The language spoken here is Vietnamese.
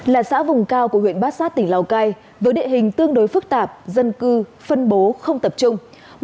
là xã vùng cao của huyện bát sát tỉnh lào cai với địa hình tương đối phức tạp dân cư phân bố không tập trung